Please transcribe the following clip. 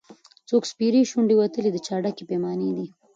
څوک سپېرې شونډي وتلي د چا ډکي پیمانې دي